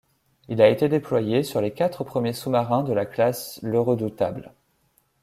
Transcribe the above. Il a été déployé sur les quatre premiers sous-marins de la classe Le Redoutable.